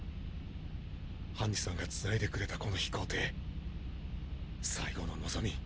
ハンジさんが繋いでくれたこの飛行艇最後の望み。